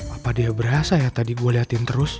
apa dia berasa ya tadi gue liatin terus